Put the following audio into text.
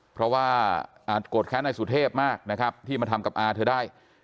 เพราะว่าอาจโกรธแค้นนายสุเทพมากนะครับที่มาทำกับอาเธอได้